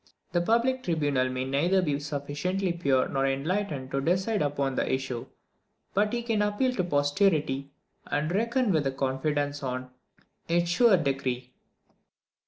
The public tribunal may neither be sufficiently pure nor enlightened to decide upon the issue; but he can appeal to posterity, and reckon with confidence on "its sure decree."